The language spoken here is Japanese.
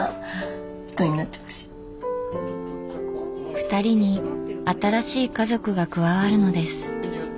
ふたりに新しい家族が加わるのです。